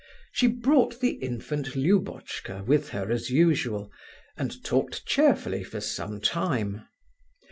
She brought the infant Lubotchka with her as usual, and talked cheerfully for some time.